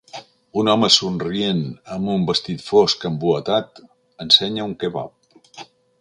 Un home somrient amb un vestit fosc embuatat ensenya un kebab.